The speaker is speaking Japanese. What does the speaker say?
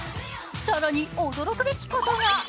更に驚くべきことが。